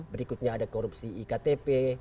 berikutnya ada korupsi iktp